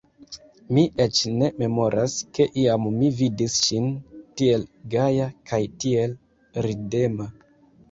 Mi eĉ ne memoras, ke iam mi vidis ŝin tiel gaja kaj tiel ridema.